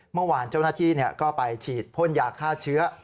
เมื่อวานเจ้าหน้าที่ก็ไปฉีดพ่นยาฆ่าเชื้อ